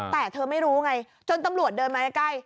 แต่เธอไม่รู้ไงจนตำรวจเดินมาใกล้